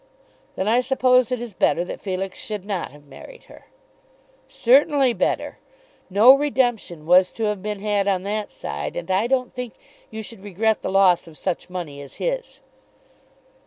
"Then I suppose it is better that Felix should not have married her." "Certainly better. No redemption was to have been had on that side, and I don't think you should regret the loss of such money as his."